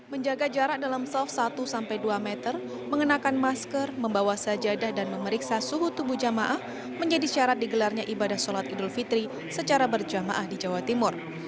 menjaga jarak dalam self satu dua meter mengenakan masker membawa sajadah dan memeriksa suhu tubuh jamaah menjadi syarat digelarnya ibadah sholat idul fitri secara berjamaah di jawa timur